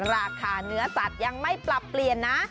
ราคาเนื้อสัตว์ยังไม่ปรับเปลี่ยนนะ